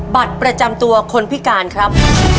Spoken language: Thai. บัตรประจำตัวคนพิการครับ